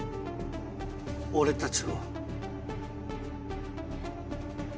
俺たちを。